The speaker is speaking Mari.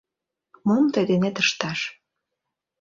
Мом тый денет ышташ?